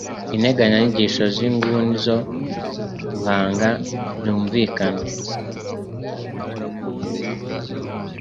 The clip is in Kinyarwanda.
integanyanyigisho zinguni zo guhanga byunvikana